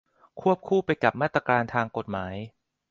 ควบคู่ไปกับมาตรการทางกฎหมาย